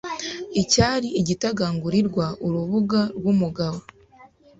icyari igitagangurirwa urubuga rwumugabo